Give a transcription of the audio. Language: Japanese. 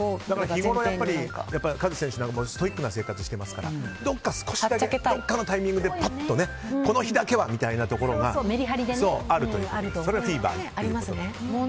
日頃、カズ選手はストイックな生活をしてますからどこか少しだけどこかのタイミングでぱっと。この日だけはみたいなところがあるということでそれをフィーバーという。